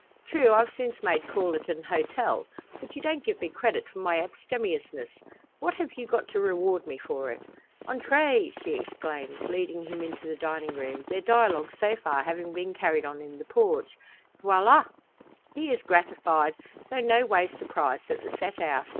True, I've since made call at an hotel, but you don't give me credit for my abstemiousness! What have you got to reward me for it?" "Entrez!" she exclaims, leading him into the dining room, their dialogue so far having been carried on in the porch. "Voila!" He is gratified, though no ways surprised at the set out.